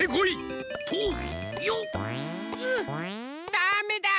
ダメだ！